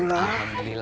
masakan dede pak